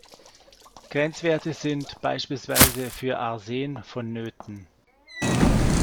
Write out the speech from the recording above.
Grenzwerte sind beispielsweise für Arsen vonnöten.